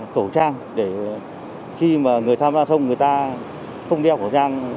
khẩu trang để khi mà người tham gia thông người ta không đeo khẩu trang